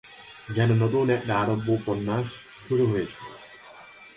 যেন নতুন একটা আরব্য উপন্যাস শুরু হয়েছে।